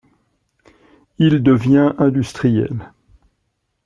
Il devient industriel.